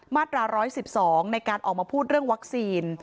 มาตรา๑๑๒ในการออกมาพูดเรื่องวัคซีน